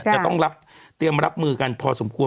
จะต้องเตรียมรับมือกันพอสมควร